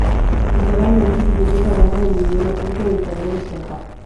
Literalmente significa bomba en idioma turco, del italiano "pompa".